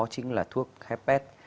chính là thuốc hepat